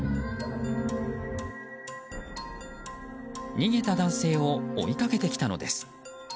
逃げた男性を追いかけてきたのです。